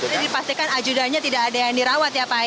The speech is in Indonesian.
jadi pastikan ajudannya tidak ada yang dirawat ya pak